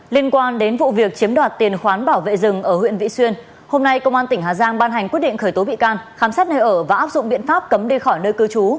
liên quan đến vụ việc chiếm đoạt tiền khoán bảo vệ rừng ở huyện vị xuyên hôm nay công an tỉnh hà giang ban hành quyết định khởi tố bị can khám xét nơi ở và áp dụng biện pháp cấm đi khỏi nơi cư trú